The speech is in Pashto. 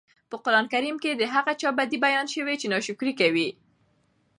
په قران کي د هغه چا بدي بيان شوي چې ناشکري کوي